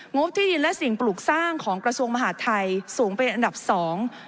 บที่ดินและสิ่งปลูกสร้างของกระทรวงมหาดไทยสูงเป็นอันดับสอง